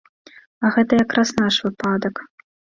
А гэта якраз наш выпадак.